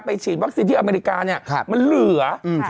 ฉีดวัคซีนที่อเมริกาเนี่ยมันเหลือ